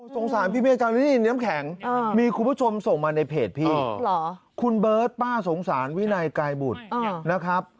สงสารพี่อาจารย์นี่น้ำแข็งมีคุณผู้ชมส่งมาในเพจพี่คุณเบิร์ตป้าสงสารวินัยกายบุตรนะครับ